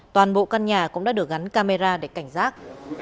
toàn bộ căn nhà cũng đã được gắn camera để cảnh giác